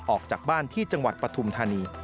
ออกจากบ้านที่จังหวัดปฐุมธานี